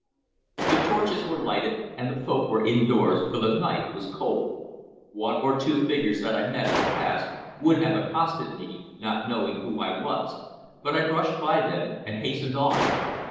The torches were lighted, and the folk were indoors, for the night was cold. One or two figures that I met or passed would have accosted me, not knowing who I was, but I brushed by them, and hastened on.